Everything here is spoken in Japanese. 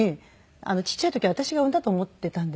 ちっちゃい時は私が産んだと思っていたんでしょうね。